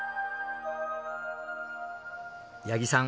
八木さん